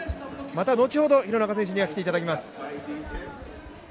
また後ほど廣中選手には来ていただきます。